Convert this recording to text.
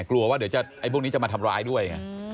กลัวว่าเดี๋ยวไอ้พวกนี้จะมาทำร้ายด้วยไง